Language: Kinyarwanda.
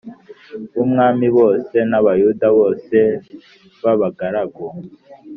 b umwami bose n Abayuda bose b abagaragu